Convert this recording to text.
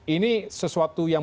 ini sesuatu yang